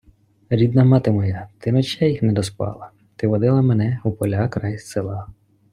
Рідна мати моя, ти ночей не доспала, ти водила мене у поля край села